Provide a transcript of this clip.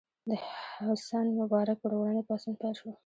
د حسن مبارک پر وړاندې پاڅون پیل شو.